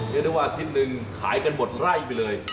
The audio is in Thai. เรียกได้ว่าอาทิตย์หนึ่งขายกันหมดไร่ไปเลย